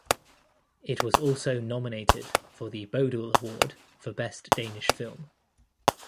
It was also nominated for the Bodil Award for Best Danish Film.